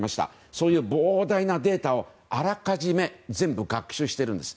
そういう膨大なデータをあらかじめ全部学習しているんです。